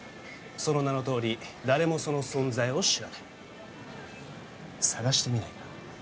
その名のとおり誰もその存在を知らない捜してみないか？